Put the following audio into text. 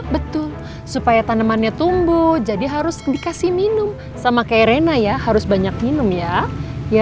betul supaya tanamannya tumbuh jadi harus dikasih minum sama kayak rena ya harus banyak minum ya